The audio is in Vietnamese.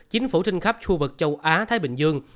chính phủ trên khắp khu vực châu á thái bình dương